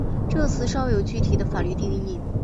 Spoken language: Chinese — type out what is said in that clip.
这个词尚未有具体的法律定义。